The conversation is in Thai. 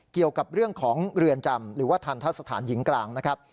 เกี่ยวกับเรื่องของเรือนจำหรือว่าทันทะสถานหญิงกลางนะครับ